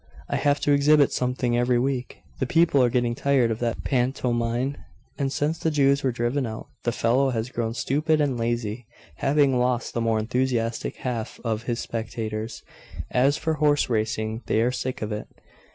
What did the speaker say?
I have to exhibit something every week. The people are getting tired of that pantomime; and since the Jews were driven out, the fellow has grown stupid and lazy, having lost the more enthusiastic half of his spectators. As for horse racing, they are sick of it....